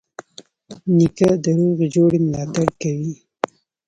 نیکه د روغي جوړې ملاتړ کوي.